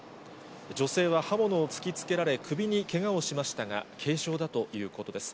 女性は刃物を突きつけられ、首にけがをしましたが、軽傷だということです。